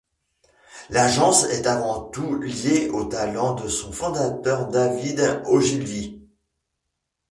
L'agence est avant tout liée au talent de son fondateur David Ogilvy.